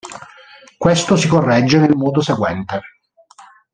Questo si corregge nel modo seguente.